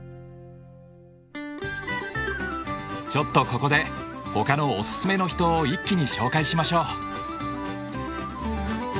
ちょっとここでほかのおすすめの秘湯を一気に紹介しましょう。